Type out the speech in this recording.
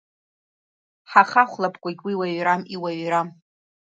Ҳахахәлабгогь уи уаҩрам, иуаҩрам.